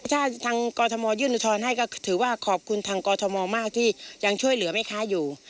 ถ้าทางกรทมยื่นอุทธรณ์ให้ก็ถือว่าขอบคุณทางกอทมมากที่ยังช่วยเหลือแม่ค้าอยู่